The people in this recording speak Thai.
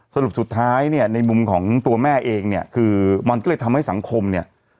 สรุปสุดท้ายเนี่ยในมุมของตัวแม่เองเนี่ยคือมันก็เลยทำให้สังคมเนี่ย